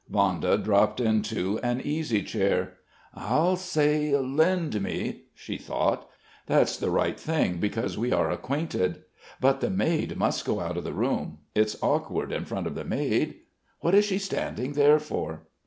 Vanda dropped into an easy chair. "I'll say: 'Lend me ...'" she thought. "That's the right thing, because we are acquainted. But the maid must go out of the room.... It's awkward in front of the maid.... What is she standing there for?"